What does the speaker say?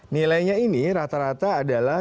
nilainya ini rata rata adalah